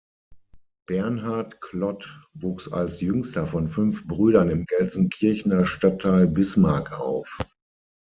Bernhard Klodt wuchs als jüngster von fünf Brüdern im Gelsenkirchener Stadtteil Bismarck auf.